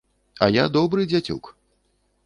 А я добры дзяцюк.